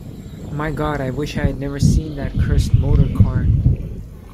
My God, I wish I had never seen that cursed motor-car!